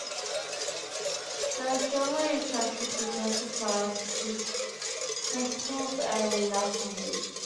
They are strongly attracted to purple flowers such as thistles and knapweeds.